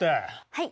はい。